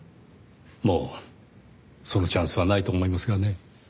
もうそのチャンスはないと思いますがね。